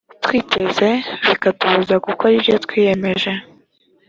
twiteze bikatubuza gukora ibyo twiyemeje